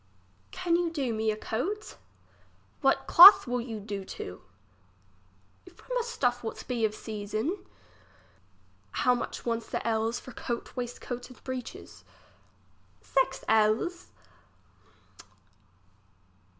Can you do me a coat ? What cloth will you do to ? From a stuff what be of season. How much wants the ells for coat, waist coat, and breeches ? Six ells.